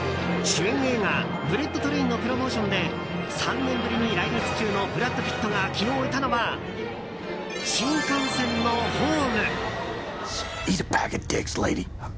主演映画「ブレット・トレイン」のプロモーションで３年ぶりに来日中のブラッド・ピットが昨日いたのは、新幹線のホーム。